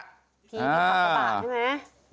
พี่ทัศนะใช่ไหม